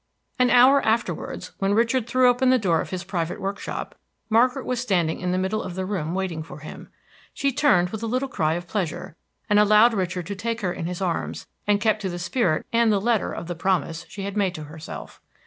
An hour afterwards, when Richard threw open the door of his private workshop, Margaret was standing in the middle of the room waiting for him. She turned with a little cry of pleasure, and allowed Richard to take her in his arms, and kept to the spirit and the letter of the promise she had made to herself.